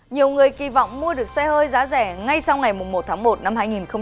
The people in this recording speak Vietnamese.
nhiều người kỳ vọng mua được xe hơi giá rẻ ngay sau ngày một tháng một năm hai nghìn hai mươi